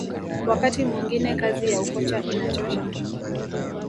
wakati mwingine kazi ya ukocha inachosha